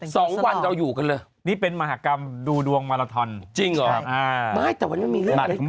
สวัสดีครับให้เยอะแน่นอนวันนี้